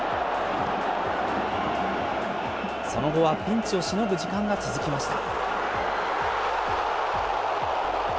その後はピンチをしのぐ時間が続きました。